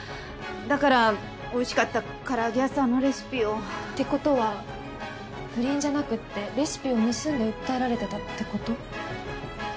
だから美味しかったからあげ屋さんのレシピを。って事は不倫じゃなくてレシピを盗んで訴えられてたって事？